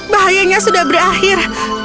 bahayanya sudah berakhir